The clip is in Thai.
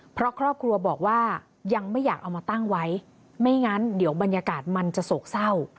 เพราะครอบครัวบอกว่ายังไม่อยากเอามาตั้งไว้ไม่งั้นเดี๋ยวบรรยากาศมันจะโศกเศร้า